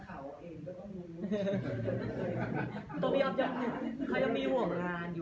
แล้วพรุ่งนี้สังกันมาเลย